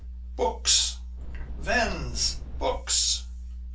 " BOOKS, VENDS, BOOKS